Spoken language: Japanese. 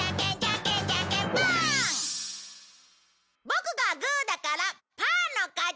ボクがグーだからパーの勝ち！